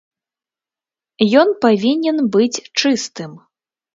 Ён павінен быць чыстым.